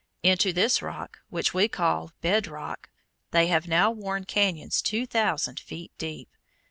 Into this rock, which we call "bed rock," they have now worn cañons two thousand feet deep.